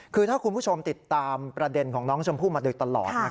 คือถ้าคุณผู้ชมติดตามประเด็นของน้องชมพู่มาโดยตลอด